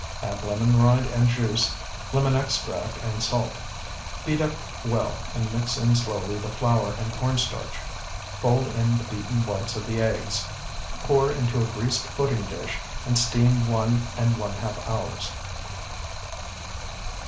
Add lemon rind and juice, lemon extract, and salt. Beat up well, and mix in slowly the flour and corn starch. Fold in the beaten whites of the eggs, pour into a greased pudding dish, and steam one and one half hours.